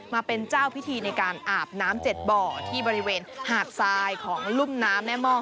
มาเป็นเจ้าพิธีในการอาบน้ำ๗บ่อที่บริเวณหาดทรายของลุ่มน้ำแม่ม่อง